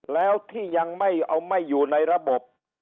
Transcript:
แล้วที่ยังไม่เอาไม่อยู่ในระบบ